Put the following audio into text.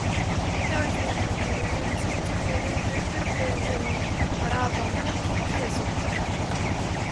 헤어지는 그들은 신철이를 흘금흘금 돌아보며 킥킥 웃었다.